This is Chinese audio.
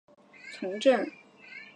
祖父卫从政。